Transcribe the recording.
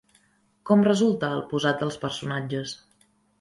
Com resulta el posat dels personatges?